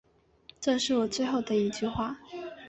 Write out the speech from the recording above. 这是我的最后一句话